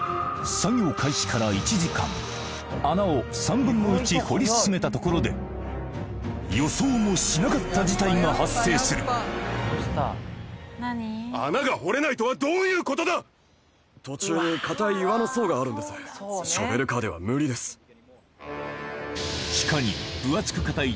作業開始から１時間穴を３分の１掘り進めたところで予想もしなかった事態が発生する地下に分厚く硬い